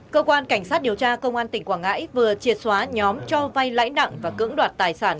cơ quan cảnh sát điều tra công an tỉnh quảng ngãi vừa triệt xóa nhóm cho vay lãi nặng và cưỡng đoạt tài sản